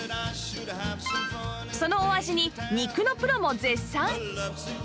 そのお味に肉のプロも絶賛！